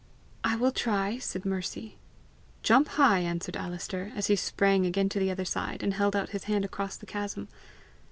"I will try," said Mercy. "Jump high," answered Alister, as he sprang again to the other side, and held out his hand across the chasm.